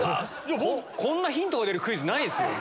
こんなヒントが出るクイズないですよ。